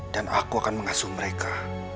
dan aku akan mengasuh mereka